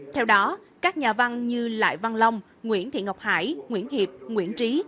theo đó các nhà văn như lại văn long nguyễn thị ngọc hải nguyễn hiệp nguyễn trí